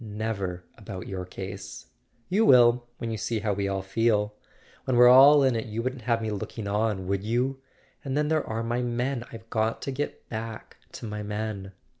"Never about your case." "You will—when you see how we all feel. When we're all in it you wouldn't have me looking on, would you? And then there are my men—I've got to get back to my men."